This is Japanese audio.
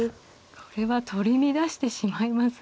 これは取り乱してしまいます。